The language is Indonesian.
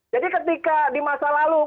jadi ketika di masa lalu